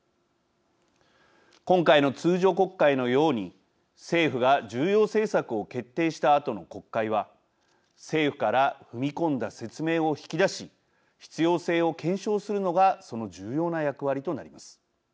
今回の通常国会のように政府が重要政策を決定したあとの国会は政府から踏み込んだ説明を引き出し、必要性を検証するのがその重要な役割となります。